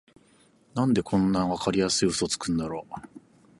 なんでこんなわかりやすいウソつくんだろ